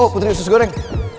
oh putri yusus goreng